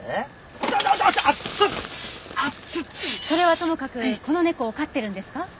それはともかくこの猫を飼ってるんですか？